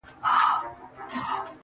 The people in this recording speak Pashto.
چي د سندرو د سپين سترگو، سترگو مينه باسي~